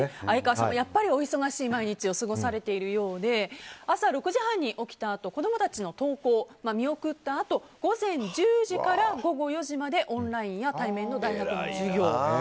相川さんもやっぱりお忙しい毎日を過ごされているようで朝６時半に起きたあと子供たちの登校を見送ったあと午前１０時から午後４時までオンラインや対面の大学の授業。